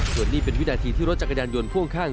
ส่วนนี้เป็นวินาทีที่รถจักรยานยนต์พ่วงข้าง